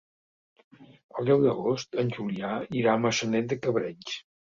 El deu d'agost en Julià irà a Maçanet de Cabrenys.